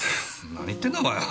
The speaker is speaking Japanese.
何言ってんだお前は。